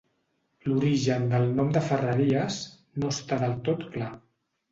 L'origen del nom de Ferreries no està del tot clar.